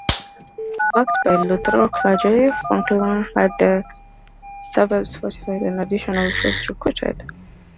Backed by the Lutheran clergy, Falkenberg had the suburbs fortified and additional troops recruited.